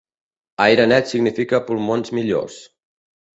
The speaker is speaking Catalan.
Aire net significa pulmons millors.